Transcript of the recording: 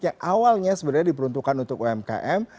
yang awalnya sebenarnya diperuntukkan untuk umkm